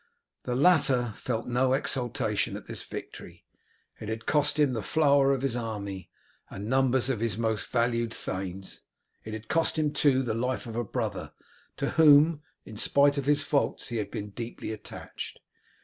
The latter felt no exultation at this victory. It had cost him the flower of his army and numbers of his most valued thanes. It had cost him, too, the life of a brother, to whom in spite of his faults he had been deeply attached.